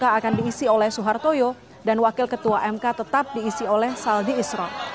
ketua mk yang diisi oleh suhartoyo dan wakil ketua mk tetap diisi oleh saldi isra